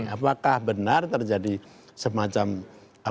apakah benar terjadi semacam